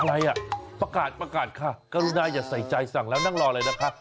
อะไรอ่ะประกาศประกาศค่ะกรุณาอย่าใส่ใจสั่งแล้วนั่งรอเลยนะคะ